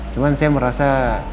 cuman saya merasa